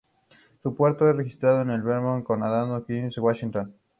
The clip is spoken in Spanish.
Su puerto de registro esta en Bremerton, Condado de Kitsap, Washington.